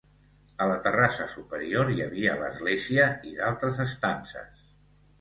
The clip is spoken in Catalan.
A la terrassa superior hi havia l'església i d'altres estances.